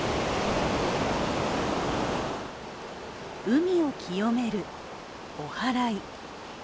海を清めるおはらい。